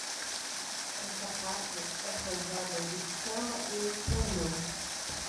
Essa pátria é forjada de chama e esplendor